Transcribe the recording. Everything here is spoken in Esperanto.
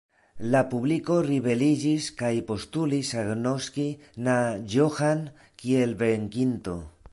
La publiko ribeliĝis kaj postulis agnoski na Johann kiel venkinto.